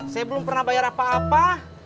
saya belum pernah bayar apa apa